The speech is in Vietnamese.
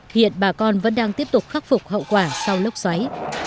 hiện bà con vẫn đang tiếp tục khắc phục hậu quả sau lốc xoáy